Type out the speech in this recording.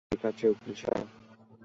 ঠিক আছে, উকিল সাহেব।